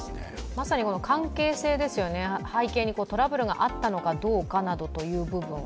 まさに関係性ですよね、背景にトラブルがあったのかどうかなどという部分。